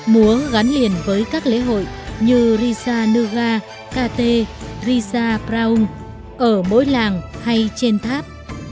múa gắn liền với các lễ hội như risa nuga kt risa praung ở mỗi làng hay trên tháp